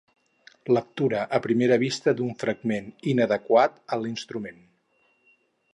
Lectura a primera vista d'un fragment inadequat a l'instrument.